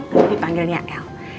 terlebih panggilnya el